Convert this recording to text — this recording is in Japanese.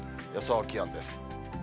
予想気温です。